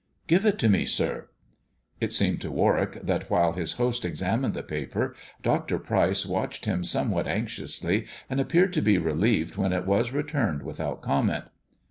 " Give it to me, sir." It seemed to Warwick that, while his host examined the paper. Dr. Pryce watched him somewhat anxiously, and appeared to be relieved when it was returned without comment.